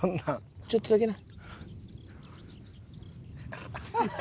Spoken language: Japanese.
ちょっとだけな。